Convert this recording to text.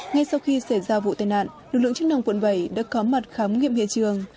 ngay sau khi xảy ra vụ tai nạn lực lượng chức năng quận bảy đã có mặt khám nghiệm hiện trường